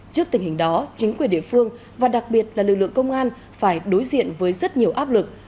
trước tình hình đó chính quyền địa phương và đặc biệt là lực lượng công an phải đối diện với rất nhiều áp lực